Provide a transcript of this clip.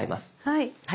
はい。